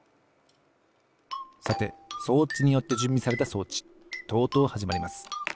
さて装置によってじゅんびされた装置とうとうはじまります。